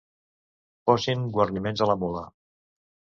Posin guarniments a la mula.